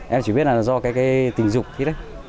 em chỉ biết là do cái tình dục khi đấy